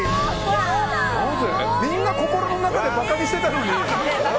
みんな、心の中で馬鹿にしてたのに。